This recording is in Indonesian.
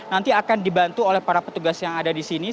nanti akan dibantu oleh para petugas yang ada di sini